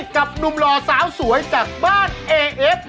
กับหนุ่มหล่อสาวสวยจากบ้านเอเอฟ